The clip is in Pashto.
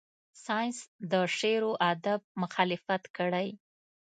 ساینس د شعر و ادب مخالفت کړی.